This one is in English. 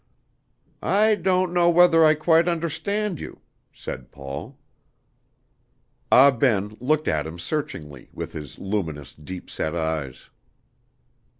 "I don't know whether I quite understand you," said Paul. Ah Ben looked at him searchingly with his luminous, deep set eyes.